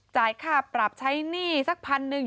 จ่ายค่าปรับใช้หนี้สักพันหนึ่ง